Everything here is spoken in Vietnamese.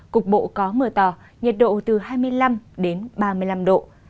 cục bộ có mưa to nhiệt độ từ hai mươi năm đến ba mươi năm độ